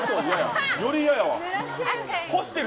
より嫌やわ。